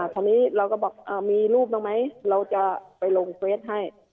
คราวนี้เราก็บอกมีรูปน้องไหมเราจะไปลงเฟสให้